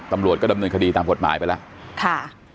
ตำรวจก็ดำเนินคดีตามกฎหมายไปแล้วค่ะ